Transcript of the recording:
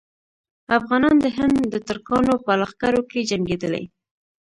افغانان د هند د ترکانو په لښکرو کې جنګېدلي.